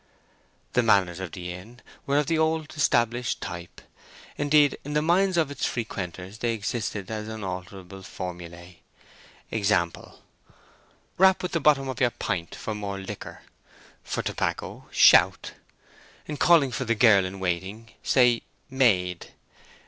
The manners of the inn were of the old established type. Indeed, in the minds of its frequenters they existed as unalterable formulæ: e.g.— Rap with the bottom of your pint for more liquor. For tobacco, shout. In calling for the girl in waiting, say, "Maid!"